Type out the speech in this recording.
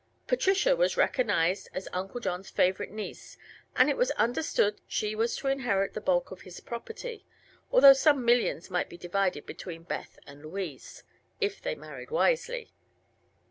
Patricia was recognized as Uncle John's favorite niece and it was understood she was to inherit the bulk of his property, although some millions might be divided between Beth and Louise "if they married wisely."